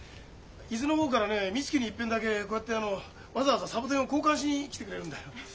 伊豆の方からねみつきにいっぺんだけこうやってあのわざわざサボテンを交換しに来てくれるんだよ。